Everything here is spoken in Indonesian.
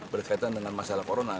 berkaitan dengan masalah corona